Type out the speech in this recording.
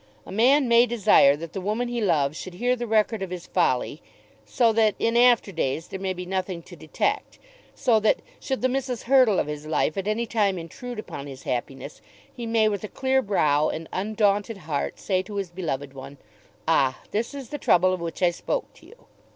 A man may desire that the woman he loves should hear the record of his folly, so that, in after days, there may be nothing to be detected; so that, should the Mrs. Hurtle of his life at any time intrude upon his happiness, he may with a clear brow and undaunted heart say to his beloved one, "Ah, this is the trouble of which I spoke to you."